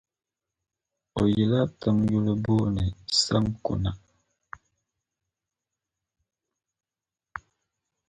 O yila tiŋ yuli booni Sanku na.